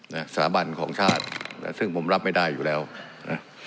นะสถาบันของชาตินะซึ่งผมรับไม่ได้อยู่แล้วนะ